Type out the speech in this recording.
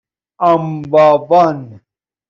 امبابان